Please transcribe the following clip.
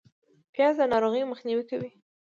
پیاز د ناروغیو مخنیوی کوي